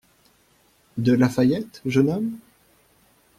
De La Fayette, jeune homme?